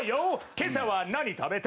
「今朝は何食べた？